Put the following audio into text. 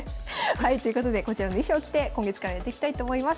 はいということでこちらの衣装を着て今月からやっていきたいと思います。